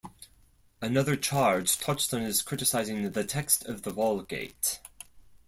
Another charge touched on his criticizing the text of the Vulgate.